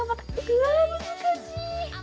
うわ難しい。